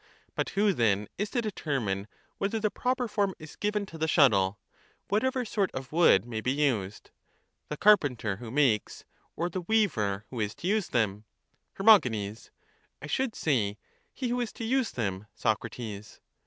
But who then is to determine whether the proper This true form form is given to the shuttle, whatever sort of wood may be used? the carpenter who makes, or the weaver who is to use them? Her. I should say, he who is to use them, Socrates.